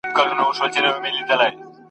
چي هر څو یې زور کاوه بند وه ښکرونه !.